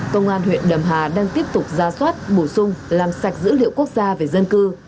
công an huyện đầm hà đang tiếp tục ra soát bổ sung làm sạch dữ liệu quốc gia về dân cư